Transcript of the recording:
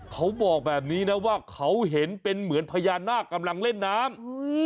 เขาบอกแบบนี้นะว่าเขาเห็นเป็นเหมือนพญานาคกำลังเล่นน้ำ